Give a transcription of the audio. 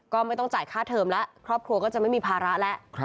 ก็ไม่ต้องจ่ายค่าเทอมแล้วครอบครัวก็จะไม่มีภาระแล้ว